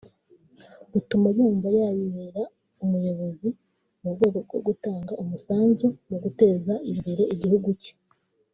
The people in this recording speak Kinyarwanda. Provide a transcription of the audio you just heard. rutuma yumva yayibera umuyobozi mu rwego rwo gutanga umusanzu mu guteza imbere igihugu cye